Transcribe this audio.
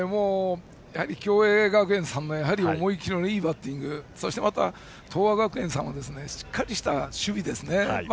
共栄学園さんの思い切りのいいバッティングそして、東亜学園さんのしっかりとした守備ですね。